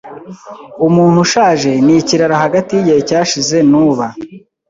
Umuntu ushaje ni ikiraro hagati yigihe cyashize nuba